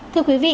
thưa quý vị